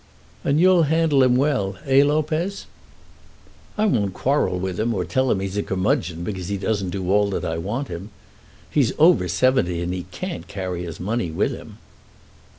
"And you'll handle him well; eh, Lopez?" "I won't quarrel with him, or tell him that he's a curmudgeon because he doesn't do all that I want him. He's over seventy, and he can't carry his money with him."